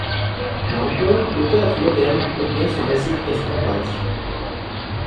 Là encore, le théâtre moderne peut bien se passer du carton pâte.